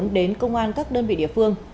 đến công an các đơn vị địa phương